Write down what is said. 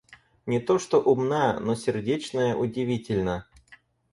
Не то что умна, но сердечная удивительно.